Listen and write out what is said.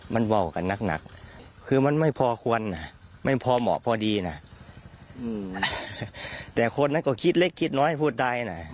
มันบอกกันหนักคือมันไม่พอควรไม่พอเหมาะพอดีนะแต่คนนั้นก็คิดเล็กคิดน้อยพูดได้นะ